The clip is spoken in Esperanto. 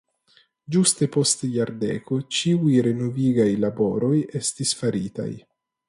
Ĝuste post jardeko ĉiuj renovigaj laboroj estis faritaj.